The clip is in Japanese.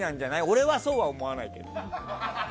俺はそうは思わないけど。